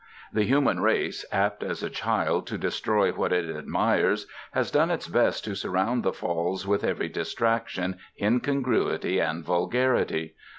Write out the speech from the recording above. The human race, apt as a child to destroy what it admires, has done its best to surround the Falls with every distraction, incongruity, and vulgarity.